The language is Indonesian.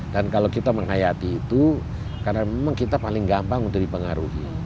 dan kalau kita menghayati itu karena memang kita paling gampang untuk dipengaruhi